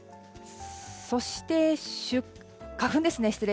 そして、花粉です。